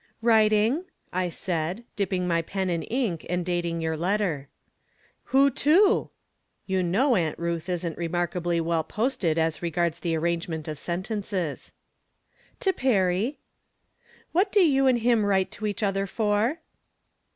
" Writing," I said, dipping my pen in ink, and dating your letter. " Who to !" You know Aunt Ruth isn't re markably well posted as regards the arrangement of sentences. « To Perry." " What do you and him write to each other for?"